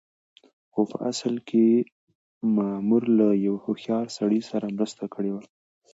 خو په اصل کې مامور له يوه هوښيار سړي سره مرسته کړې وه.